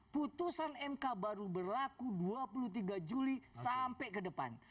putusan mk baru berlaku dua puluh tiga juli sampai ke depan